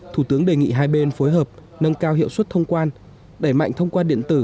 thủ tướng đề nghị hai bên phối hợp nâng cao hiệu suất thông quan đẩy mạnh thông qua điện tử